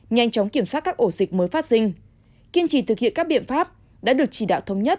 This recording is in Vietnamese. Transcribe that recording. nhanh chóng kiểm soát các ổ dịch mới phát sinh kiên trì thực hiện các biện pháp đã được chỉ đạo thống nhất